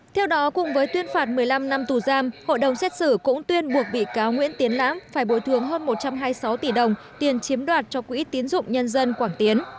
theo đó cùng với tuyên phạt một mươi năm năm tù giam hội đồng xét xử cũng tuyên buộc bị cáo nguyễn tiến lãm phải bồi thường hơn một trăm hai mươi sáu tỷ đồng tiền chiếm đoạt cho quỹ tiến dụng nhân dân quảng tiến